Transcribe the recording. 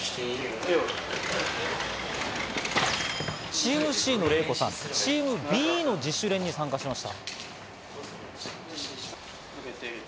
チームＣのレイコさん、チームＢの自主練に参加しました。